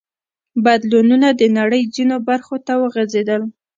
بدلونونه د نړۍ ځینو برخو ته وغځېدل.